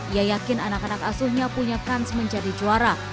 ia yakin anak anak asuhnya punya kans menjadi juara